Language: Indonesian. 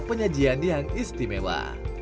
penyajian yang istimewa